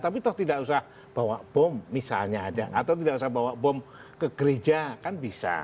tapi toh tidak usah bawa bom misalnya saja atau tidak usah bawa bom ke gereja kan bisa